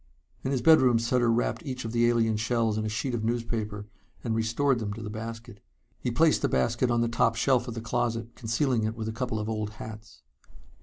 In his bedroom Sutter wrapped each of the alien shells in a sheet of newspaper and restored them to the basket. He placed the basket on the top shelf of the closet, concealing it with a couple of old hats.